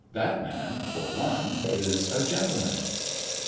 That man, for one, is a gentleman!